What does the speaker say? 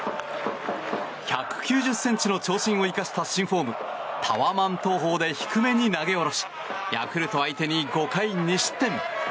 １９０ｃｍの長身を生かした新フォームタワマン投法で低めに投げ下ろしヤクルト相手に５回２失点。